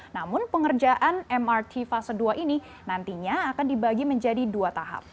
namun pengerjaan mrt fase dua ini nantinya akan dibagi menjadi dua tahap